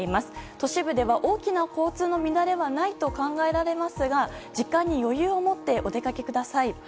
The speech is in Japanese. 都市部でも大きな交通の乱れはないと考えられますが時間に余裕を持ってお出かけください。